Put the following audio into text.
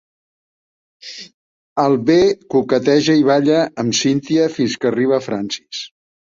Al B coqueteja i balla amb Cynthia, fins que arriba Francis.